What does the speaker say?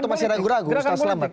atau masih ragu ragu ustaz slamet